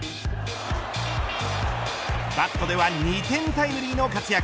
バットでは２点タイムリーの活躍